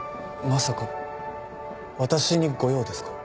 まさか私にご用ですか？